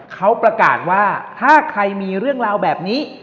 เขาประกาศว่าถ้าใครมีเรื่องราวแบบนี้